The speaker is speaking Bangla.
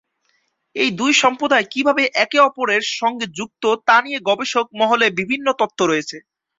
এই দুই সম্প্রদায় কিভাবে একে অপরের সঙ্গে যুক্ত তা নিয়ে গবেষক মহলে বিভিন্ন তত্ত্ব রয়েছে।